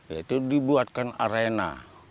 itu dibuatkan arena